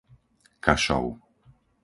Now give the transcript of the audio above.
Kašov